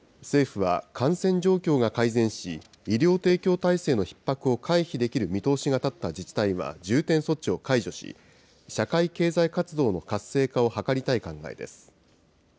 政府は感染状況が改善し、医療提供体制のひっ迫を回避できる見通しが立った自治体は重点措置を解除し、社会経済活動の活性化を図りたい考えです。